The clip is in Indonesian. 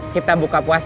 kita buka puasnya